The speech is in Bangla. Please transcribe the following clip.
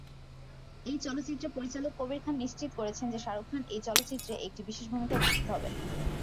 এই চলচ্চিত্রের পরিচালক কবির খান নিশ্চিত করেছেন যে শাহরুখ খান এই চলচ্চিত্রে একটি বিশেষ ভূমিকায় উপস্থিত হবেন।